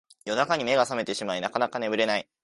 夜中に目が覚めてしまいなかなか眠れない